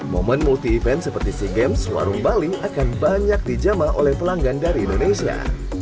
momen multi event seperti sea games warung bali akan banyak dijama oleh pelanggan dari indonesia